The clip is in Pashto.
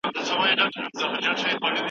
په ادارو کي باید د وخت ضایع کول پای ته ورسیږي.